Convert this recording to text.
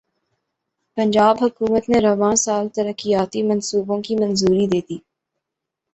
پنجاب حکومت نے رواں سال ترقیاتی منصوبوں کی منظوری دیدی